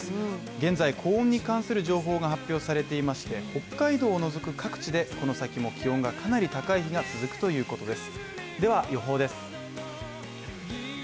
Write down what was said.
現在、高温に関する情報が発表されていまして北海道を除く各地でこの先も気温がかなり高い日が続くということです。